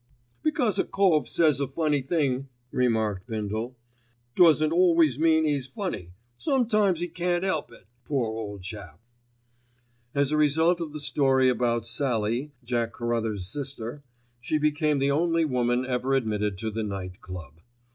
"Because a cove says a funny thing," remarked Bindle, "doesn't always mean 'e's funny. Sometimes 'e can't 'elp it, poor chap." As a result of the story about Sallie, Jack Carruthers' sister, she became the only woman ever admitted to the Night Club.